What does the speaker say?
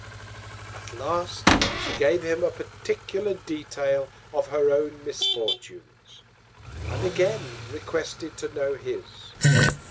At last, she gave him a particular Detail of her own Misfortunes, and again requested to know his.